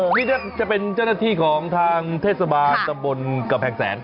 นี่จะเป็นเจ้าหน้าที่ของทางเทศบาทตะบนกับแผงแสน